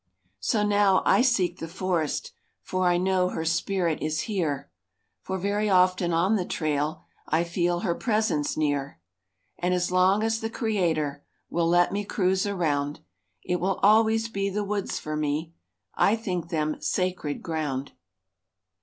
So now I seek the forest For I know her Spirit is here, For very often on the trail I feel her presence near. And as long as the Creator Will let me cruise around, It will always be the woods for me, I think them sacred ground."